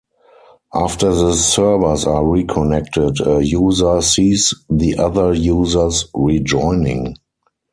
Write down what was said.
After the servers are reconnected, a user sees the other users rejoining.